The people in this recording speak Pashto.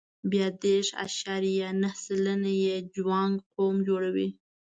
بیا دېرش اعشاریه نهه سلنه یې جوانګ قوم جوړوي.